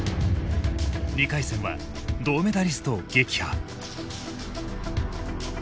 ２回戦は銅メダリストを撃破。